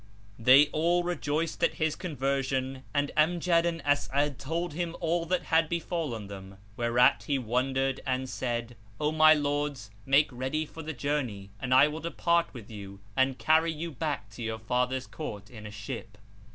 They all rejoiced at his conversion and Amjad and As'ad told him all that had befallen them, whereat he wondered and said, "O my lords, make ready for the journey and I will depart with you and carry you back to your father's court in a ship."